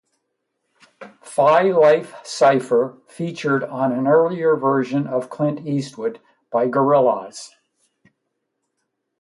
Phi Life Cypher featured on an earlier version of Clint Eastwood by Gorillaz.